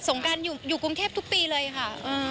งการอยู่กรุงเทพทุกปีเลยค่ะ